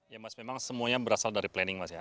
ya mas memang semuanya berasal dari planning mas ya